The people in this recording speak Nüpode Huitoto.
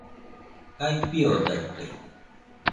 Jae fiodaite